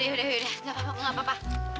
eh iya yaudah gapapa gapapa